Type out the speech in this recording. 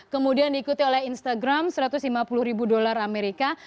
kemudian diikuti oleh instagram satu ratus lima puluh ribu dolar amerika